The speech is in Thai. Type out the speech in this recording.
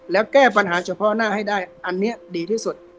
แล้วแก้ปัญหาเฉพาะหน้าให้ได้อันนี้ดีที่สุด